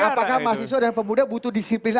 apakah mahasiswa dan pemuda butuh disiplin